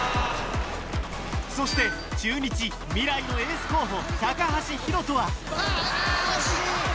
そして中日未来のエース候補橋宏斗はああ惜しい！